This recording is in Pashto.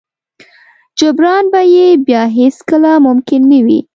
جبران به يې بيا هېڅ کله ممکن نه وي.